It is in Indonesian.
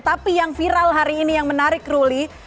tapi yang viral hari ini yang menarik ruli